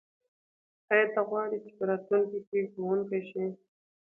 آیا ته غواړې چې په راتلونکي کې ښوونکی شې؟